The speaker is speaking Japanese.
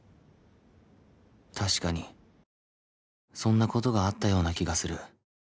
確かにそんな事があったような気がする